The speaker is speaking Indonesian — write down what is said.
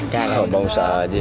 kalau bang usaha aja